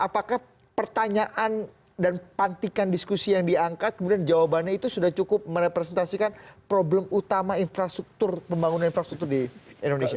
apakah pertanyaan dan pantikan diskusi yang diangkat kemudian jawabannya itu sudah cukup merepresentasikan problem utama infrastruktur pembangunan infrastruktur di indonesia